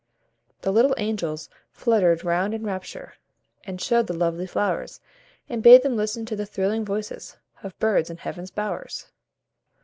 The little angels fluttered round in rapture, And showed the lovely flowers, And bade them listen to the thrilling voices Of birds in Heaven's bowers.